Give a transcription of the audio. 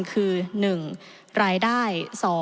คือ๑รายได้